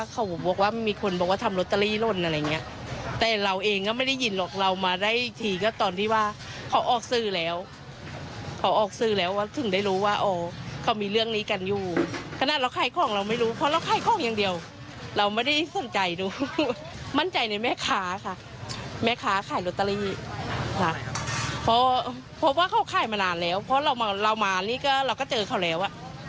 เขาขายมันมาแล้วเพราะเรามานี่ก็เราก็เจอเขาแล้ว